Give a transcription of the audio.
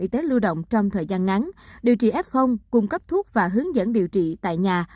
y tế lưu động trong thời gian ngắn điều trị f cung cấp thuốc và hướng dẫn điều trị tại nhà